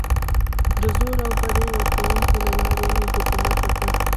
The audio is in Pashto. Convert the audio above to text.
د زور او بډې ورکونې له لارې یې حکومت وکړ.